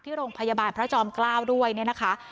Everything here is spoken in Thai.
ที่โรงพยาบาลพระจอมเกล้าด้วยเนี่ยนะคะ